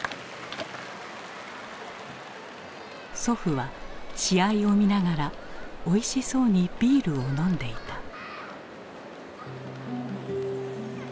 祖父は試合を見ながらおいしそうにビールを飲んでいた。